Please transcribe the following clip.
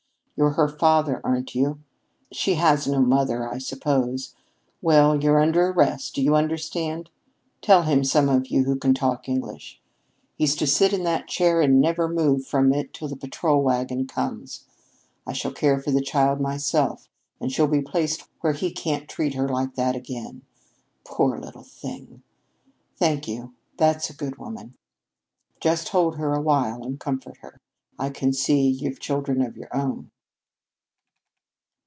You're her father, are you? She has no mother, I suppose. Well, you 're under arrest, do you understand? Tell him, some of you who can talk English. He's to sit in that chair and never move from it till the patrol wagon comes. I shall care for the child myself, and she'll be placed where he can't treat her like that again. Poor little thing! Thank you, that's a good woman. Just hold her awhile and comfort her. I can see you've children of your own."